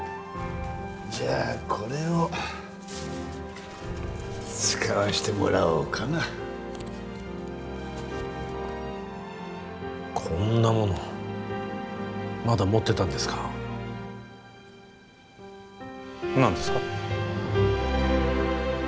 じゃあこれを使わせてもらおうかなこんなものまだ持ってたんですか何ですか？